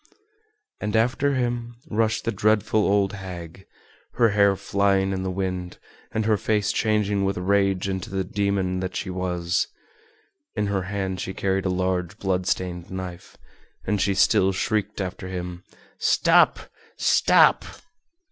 And after him rushed the dreadful old hag, her hair flying in the wind, and her face changing with rage into the demon that she was. In her hand she carried a large blood stained knife, and she still shrieked after him, "Stop! stop!"